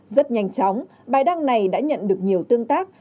rất nhanh chóng bài đăng này đã nhận được nhiều tương tác